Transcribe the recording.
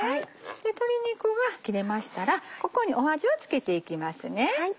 鶏肉が切れましたらここに味を付けていきますね。